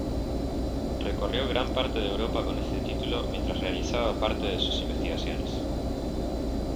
Recorrió gran parte de Europa con este título mientras realizaba parte de sus investigaciones.